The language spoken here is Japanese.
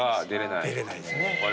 出れないですね。